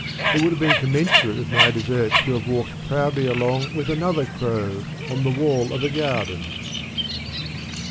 It would have been conmiensurate with my deserts to have walked proudly along with another crow on the wall of a garden.